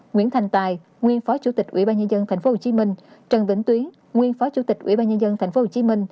nguyễn thành tài nguyên phó chủ tịch ủy ban nhân dân tp hcm trần vĩnh tuyến nguyên phó chủ tịch ủy ban nhân dân tp hcm